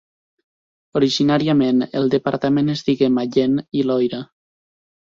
Originàriament, el departament es digué Mayenne i Loira.